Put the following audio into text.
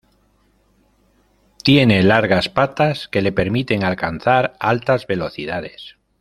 Tiene largas patas, que le permiten alcanzar altas velocidades.